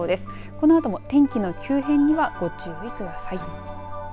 このあとも天気の急変にはご注意ください。